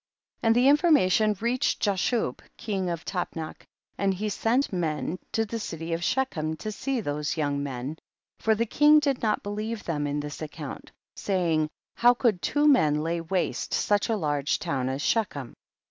40. And the information reached Jashub king of Tapnach, and he sent men to the city of Shechem to see those young men, for the king did not believe them in this account, saying, how could two men lay waste such a large town as Shechem